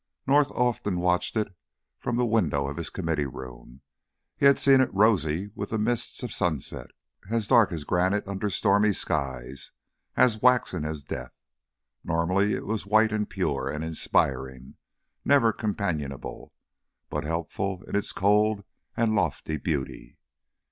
North often watched it from the window of his Committee Room; he had seen it rosy with the mists of sunset, as dark as granite under stormy skies, as waxen as death. Normally, it was white and pure and inspiring, never companionable, but helpful in its cold and lofty beauty.